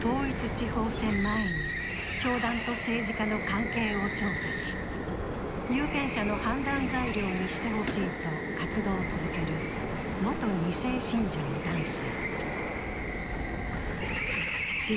統一地方選前に教団と政治家の関係を調査し、有権者の判断材料にしてほしいと活動を続ける元２世信者の男性。